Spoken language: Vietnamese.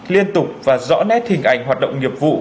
liên tục và rõ nét hình ảnh hoạt động nghiệp vụ